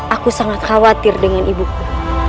aku sangat khawatir dengan ibuku